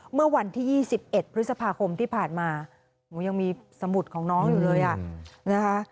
เมื่อวันที่๒๑พฤษภาคมที่ผ่านมาหนูยังมีสมุดของน้องอยู่เลยอ่ะนะคะ